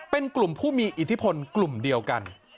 เป็นกลุ่มผู้มีอิทธิพลกลุ่มเดียวกัน